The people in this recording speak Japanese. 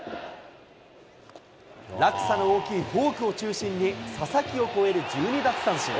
落差の大きいフォークを中心に、佐々木を超える１２奪三振。